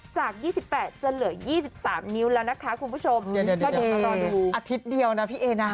จาก๒๘จะเหลือ๒๓นิ้วแล้วนะคะคุณผู้ชมก็เดี๋ยวรอดูอาทิตย์เดียวนะพี่เอนะ